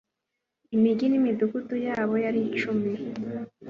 imigi n'imidugudu yabo yari icumi